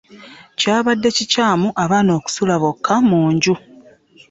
Kyabadde kikyamu abaana okusula bokka mu nju.